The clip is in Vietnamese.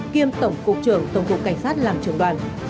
kiêm tổng cục trưởng tổng cục cảnh sát làm trưởng đoàn